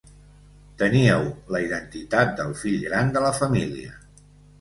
Teníeu la identitat del fill gran de la família.